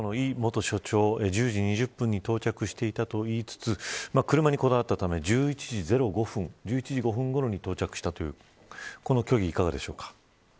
橋下さん、この尹元署長１０時２０分に到着していたと言いつつ車にこだわったため１１時０５分に到着したというこの虚偽いかがですか。